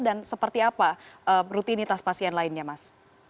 dan seperti apa rutinitas pasien lainnya mas